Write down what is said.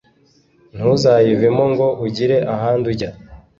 ntuzayivemo ngo ugire ahandi ujya.